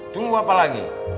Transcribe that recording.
tunggu apa lagi